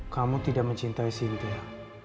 kamu tidak mencintai sintia